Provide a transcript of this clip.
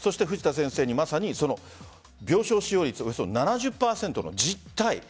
藤田先生に、まさに病床使用率およそ７０％の実態